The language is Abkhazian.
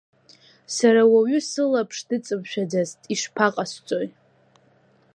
Сара уаҩы сылаԥш дыҵамшәаӡацт, ишԥаҟасҵои?